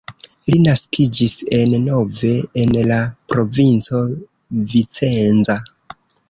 Li naskiĝis en Nove en la provinco Vicenza.